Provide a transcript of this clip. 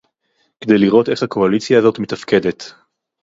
כדי לראות איך הקואליציה הזאת מתפקדת